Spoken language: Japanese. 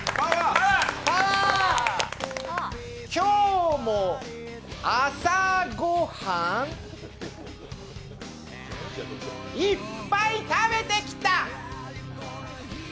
今日も朝ご飯、いっぱい食べてきた！